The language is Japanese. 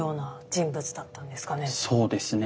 そうですね。